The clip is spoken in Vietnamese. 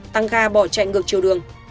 tăng ga bỏ chạy ngược chiều đường